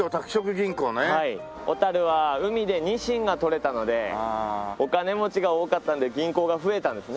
小は海でニシンが取れたのでお金持ちが多かったんで銀行が増えたんですね。